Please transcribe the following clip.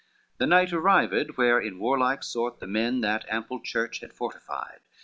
XXXIV The knight arrived where in warklike sort The men that ample church had fortified.